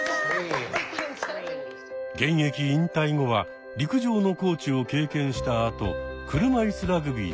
現役引退後は陸上のコーチを経験したあと車いすラグビーの監督に。